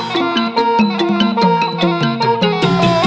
กลับมารับทราบ